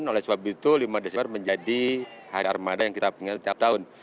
oleh sebab itu lima desember menjadi armada yang kita inginkan setiap tahun